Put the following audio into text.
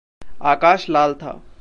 आकाश लाल था।